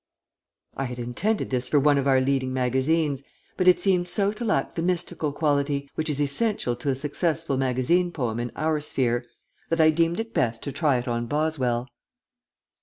I had intended this for one of our leading magazines, but it seemed so to lack the mystical quality, which is essential to a successful magazine poem in our sphere, that I deemed it best to try it on Boswell.